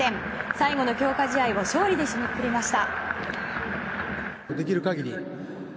最後の強化試合を勝利で締めくくりました。